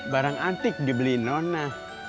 barang antik dibeli nona